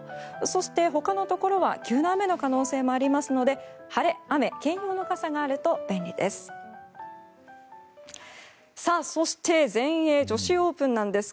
そして他のところは急な雨の可能性もありますので晴れ、雨兼用の傘があると便利です。